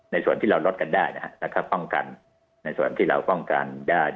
ส่วนที่เราลดกันได้นะครับป้องกันในส่วนที่เราป้องกันได้